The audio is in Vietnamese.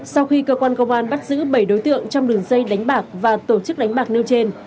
sau khi cơ quan công an bắt giữ bảy đối tượng trong đường dây đánh bạc và tổ chức đánh bạc nêu trên